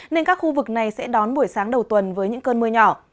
nên các khu vực này sẽ đón buổi sáng đầu tuần với những cơn mưa nhỏ